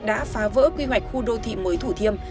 đã phá vỡ quy hoạch khu đô thị mới thủ thiêm